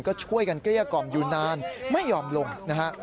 ก็ช่วยกันเกลี้ยกล่อมอยู่นานไม่ยอมลงนะฮะ